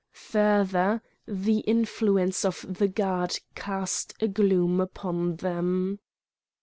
Further, the influence of the god cast a gloom upon them.